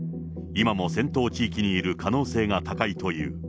今も戦闘地域にいる可能性が高いという。